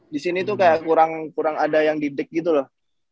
di sini tuh kayak kurang ada yang didik gitu loh